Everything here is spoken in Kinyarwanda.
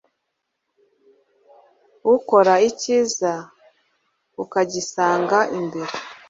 ukora icyiza ukagisanga imbere